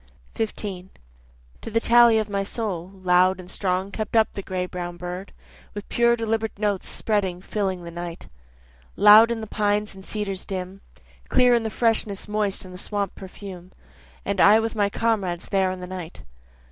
15 To the tally of my soul, Loud and strong kept up the gray brown bird, With pure deliberate notes spreading filling the night. Loud in the pines and cedars dim, Clear in the freshness moist and the swamp perfume, And I with my comrades there in the night.